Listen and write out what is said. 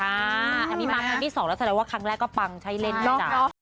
อันนี้ปังทางที่๒แล้วแสดงว่าครั้งแรกก็ปังใช้เล่นเลยจ้ะ